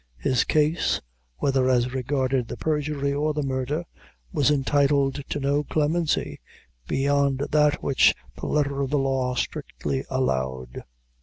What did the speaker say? His case, whether as regarded the perjury or the murder, was entitled to no clemency, beyond that which the letter of the law strictly allowed.